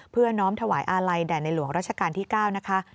น้อมถวายอาลัยแด่ในหลวงราชการที่๙นะคะ